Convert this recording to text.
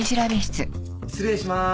失礼しまーす。